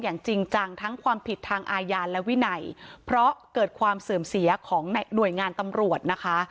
จริงจังทั้งความผิดทางอาญาและวินัยเพราะเกิดความเสื่อมเสียของหน่วยงานตำรวจนะคะ